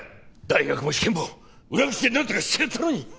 大学も試験も裏口でなんとかしてやったのに！